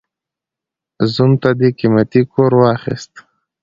زوم ته دې قيمتي کور واخيست.